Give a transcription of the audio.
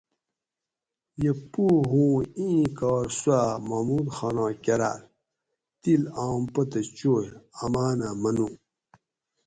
یہ پو ہُو ایں کار سوآۤ محمود خاناں کراۤل تِل آم پتہ چوئے امانہ منو